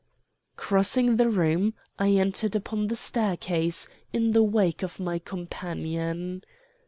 "Crossing the room, I entered upon the staircase, in the wake of my companion.